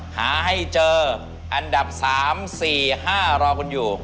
หาให้เจออันดับ๓๔๕รอคุณอยู่